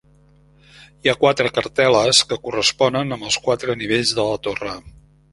Hi ha quatre cartel·les que corresponen amb els quatre nivells de la torre.